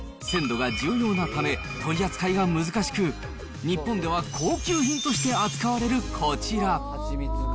鮮度が重要なため、取り扱いが難しく、日本では高級品として扱われるこちら。